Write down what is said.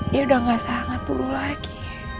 dia udah gak sangat dulu lagi